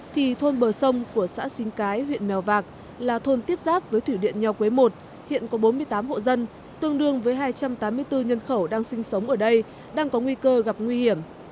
thì thôn bờ sông của xã xín cái huyện mèo vạc là thôn tiếp giáp với thủy điện nho quế i hiện có bốn mươi tám hộ dân tương đương với hai trăm tám mươi bốn nhân khẩu đang sinh sống ở đây đang có nguy cơ gặp nguy hiểm